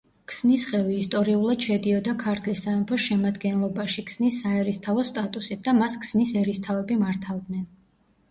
ქსნისხევი ისტორიულად შედიოდა ქართლის სამეფოს შემადგენლობაში ქსნის საერისთავოს სტატუსით და მას ქსნის ერისთავები მართავდნენ.